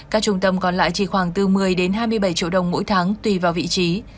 các trung tâm còn lại chỉ khoảng bốn mươi hai mươi bảy triệu đồng mỗi tháng tùy vào vị trí